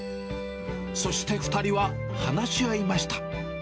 そして２人は話し合いました。